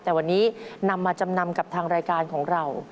แต่วันนี้นำมาจำนำกับทางรายการของเรา